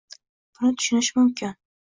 Buni tushunish mumkin